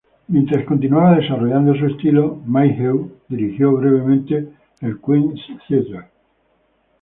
Mientras continuaba desarrollando su estilo, Mayhew dirigió brevemente el Queen's Theatre.